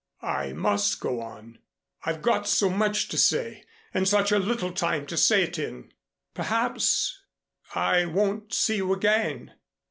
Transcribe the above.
"I must go on. I've got so much to say and such a little time to say it in. Perhaps, I won't see you again.